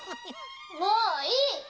もういい！